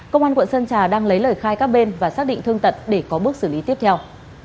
công an quận sơn trà đang lấy lời khai các bên và xác định thương tật để có bước xử lý tiếp theo